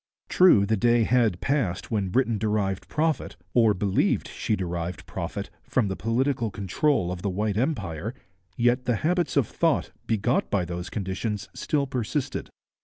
True, the day had passed when Britain derived profit, or believed she derived profit, from the political control of the white empire, yet the habits of thought begot by those conditions still persisted.